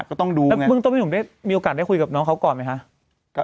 ก็ต้องดูไงแล้วมึงต้องไม่ได้มีโอกาสได้คุยกับน้องเขาก่อนไหมคะ